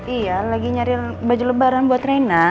iya lagi nyari baju lebaran buat reina